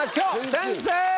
先生！